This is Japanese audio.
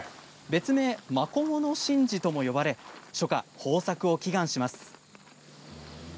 別名、マコモの神事とも呼ばれ初夏、豊作を祈願します。